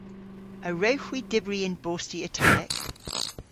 A wrewgh hwi dybri yn bosti Italek?